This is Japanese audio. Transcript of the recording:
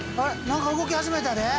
何か動き始めたで！